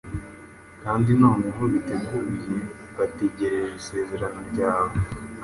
kandi none biteguye, bategereje isezerano ryawe.”